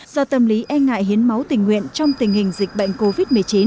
do tâm lý e ngại hiến máu tình nguyện trong tình hình dịch bệnh covid một mươi chín